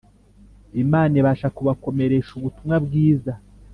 Imana ibasha kubakomeresha ubutumwa bwiza